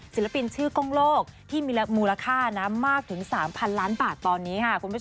ศิลปินชื่อกรรมโลกที่มีมูลค่ามากถึง๓พันล้านบาทตอนนี้